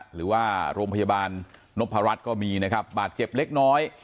หรือว่าโรงพยาบาลนพรัชก็มีนะครับบาดเจ็บเล็กน้อย